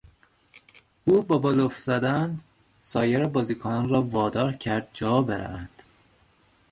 او با بلوف زدن سایر بازیکنان را وادار کرد جا بروند.